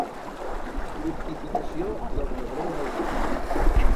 Fructificació del febrer al juny.